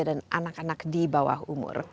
dan anak anak di bawah umur